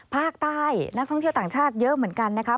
ภาคใต้นักท่องเที่ยวต่างชาติเยอะเหมือนกันนะครับ